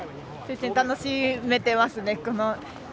楽しめてますね。